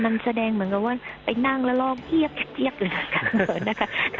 มันแสดงเหมือนกันว่าไปนั่งแล้วร่องเหี้ยกเหี้ยกอยู่เลยค่ะ